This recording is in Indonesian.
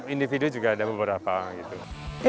individu juga ada beberapa